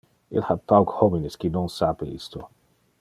Il ha pauc homines qui non sape isto.